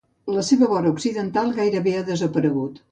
La seva vora occidental gairebé ha desaparegut.